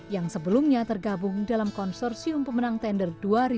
yang sebelumnya tergabung dalam konsorsium pemenang tender dua ribu sebelas dua ribu tiga belas